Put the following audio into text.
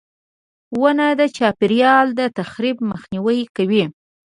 • ونه د چاپېریال د تخریب مخنیوی کوي.